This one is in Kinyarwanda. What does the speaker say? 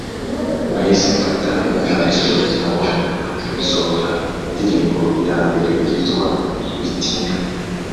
Nahise mfata umwanzuro nuko nsohora indirimbo ya mbere yitwa “Witinda”.